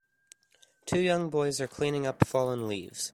Two young boys are cleaning up fallen leaves.